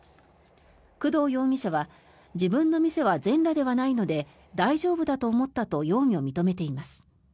工藤容疑者は自分の店は全裸ではないので大丈夫だと思ったと容疑を認めています。